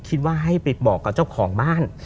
คิดว่าให้ไปบอกกับเจ้าของบ้าน